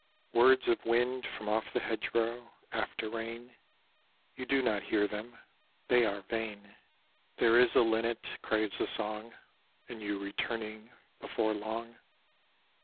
Words of wind From oif the hedgerow After rain, You do not hear them ; They are vain. There is a linnet Craves a song, And you returning Before long.